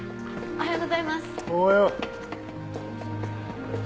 おはよう。